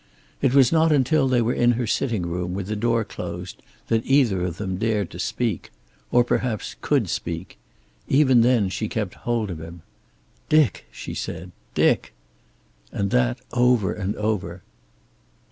It was not until they were in her sitting room with the door closed that either of them dared to speak. Or perhaps, could speak. Even then she kept hold of him. "Dick!" she said. "Dick!" And that, over and over.